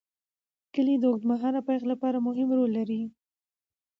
کلي د اوږدمهاله پایښت لپاره مهم رول لري.